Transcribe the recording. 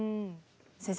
先生